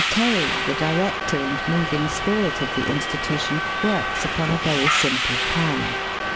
Terry, the director and moving spirit of the Institution, works upon a very simple plan.